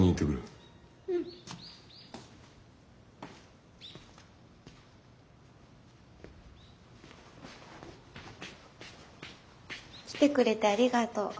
うん。来てくれてありがとう。